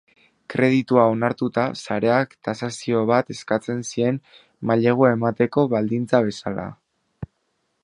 Kreditua onartuta, sareak tasazio bat eskatzen zien mailegua emateko baldintza bezala.